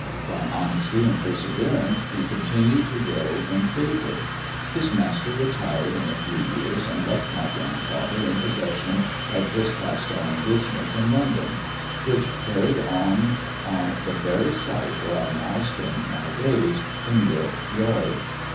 By honesty and perseverance, he continued to grow in favour. His master retired in a few years, and left my grandfather in possession of his cast iron business in London, which was carried on on the very site where I now spend my days in York Yard.